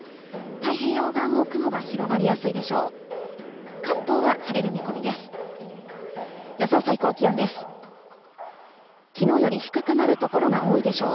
太平洋側も雲が広がりやすいでしょう。